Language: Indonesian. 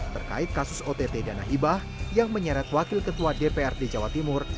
terkait kasus ott dana hibah yang menyeret wakil ketua dprd jawa timur